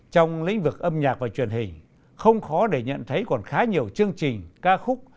trong lĩnh vực âm nhạc và truyền hình không khó để nhận thấy còn khá nhiều chương trình ca khúc